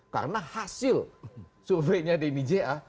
karena hasil surveinya denny ja